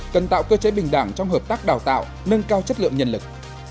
cần tạo cơ chế bình đẳng trong hợp tác đào tạo nâng cao chất lượng nhân lực